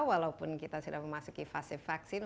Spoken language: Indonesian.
walaupun kita sudah memasuki fase vaksin